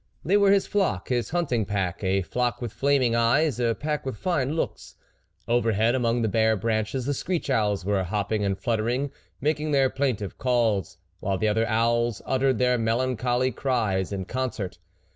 They were his flock, his hunting pack ; a flock with flaming eyes, a pack with looks of fire. Overhead, among the bare branches, the screech owls were hopping and fluttering, making their plaintive calls, while the other owls utter ed their melancholy cries in concert.